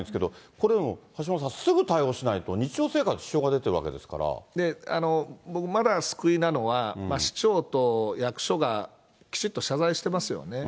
これでも橋下さん、すぐ対応しないと、日常生活、僕まだ救いなのは、市長と役所がきちっと謝罪してますよね。